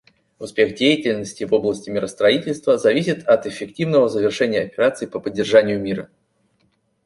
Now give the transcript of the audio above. Успех деятельности в области миростроительства зависит от эффективного завершения операций по поддержанию мира.